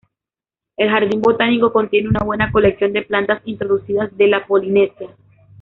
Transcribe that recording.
El jardín botánico contiene una buena colección de plantas introducidas de la Polinesia.